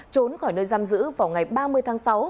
trốn khỏi nơi giam giữ vào ngày ba mươi tháng sáu